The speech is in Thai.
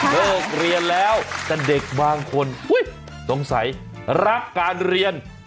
เลิกเรียนแล้วแต่เด็กบางคนสงสัยรักการเรียน